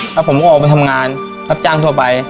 แล้วผมก็ออกไปทำงานรับจ้างทั่วไป